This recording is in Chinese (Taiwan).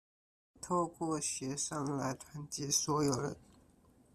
透過協商來團結所有人